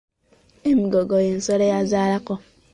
Emigogo y’ensolo eyazaalako.